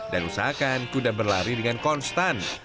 dan usahakan kuda berlari dengan konstan